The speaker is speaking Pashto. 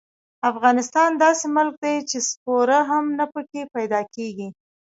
افغانستان داسې ملک دې چې سپوره هم نه پکې پیدا کېږي.